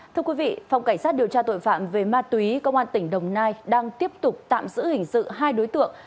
thưa quý vị phòng cảnh sát điều tra tội phạm về ma túy công an tỉnh đồng nai đang tiếp tục tạm giữ hình sự hai đối tượng